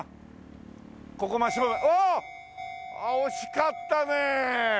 惜しかったねえ。